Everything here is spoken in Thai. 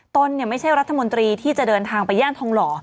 ไม่ใช่รัฐมนตรีที่จะเดินทางไปย่านทองหล่อ